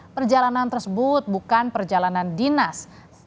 perjalanan tersebut bukan perjalanan dinas